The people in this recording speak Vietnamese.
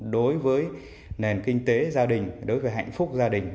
đối với nền kinh tế gia đình đối với hạnh phúc gia đình